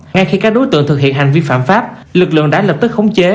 ngay khi các đối tượng thực hiện hành vi phạm pháp lực lượng đã lập tức khống chế